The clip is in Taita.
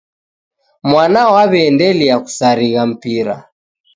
Mwana waw'aendelia kusarigha mpira.